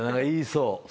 言いそう。